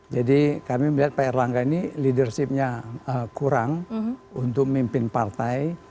jadi kami melihat pak erlangga ini leadership nya kurang untuk memimpin partai